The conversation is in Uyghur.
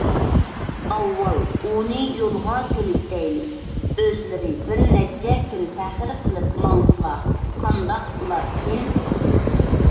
ئاۋۋال ئۇنى يولغا سېلىۋېتەيلى، ئۆزلىرى بىرنەچچە كۈن تەخىر قىلىپ ماڭسىلا قانداق بولاركىن؟